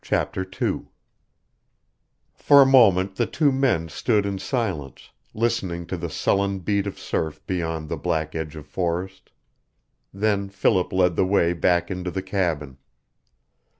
Go on!" II For a moment the two men stood in silence, listening to the sullen beat of surf beyond the black edge of forest. Then Philip led the way back into the cabin.